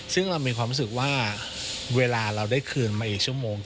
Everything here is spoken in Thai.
ซึ่งเรามีความรู้สึกว่าเวลาเราได้คืนมาอีกชั่วโมง